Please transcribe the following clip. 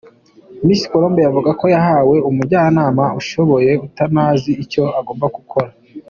Miss Colombe avuga ko yahawe umujyanama udashoboye utanazi icyo agomba gukora.